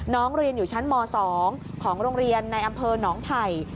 น้องเรียนอยู่ชั้นม๒ของโรงเรียนในอำเภอหนองไผ่